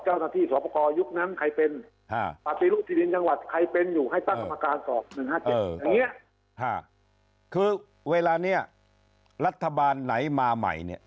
อย่างนี้คือเวลานี้รัฐบาลไหนมาใหม่เนี่ย